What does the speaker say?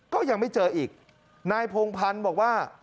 ก็ยังไม่เจออีกนายพงพันธ์บอกว่า